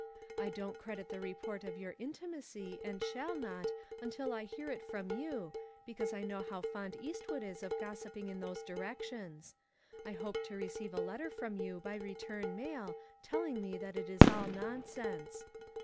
I don't credit the report of your intimacy, and shall not, until I hear it from you, because I know how fond Eastwood is of gossiping in those directions. I hope to receive a letter from you by return mail, telling me that it is all nonsense.